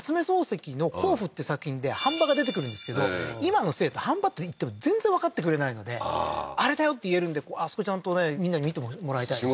漱石の坑夫って作品で飯場が出てく今の生徒飯場って言っても全然わかってくれないのであれだよって言えるんであそこちゃんとねみんなに見てもらいたいですね